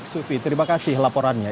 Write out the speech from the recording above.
sufi terima kasih laporannya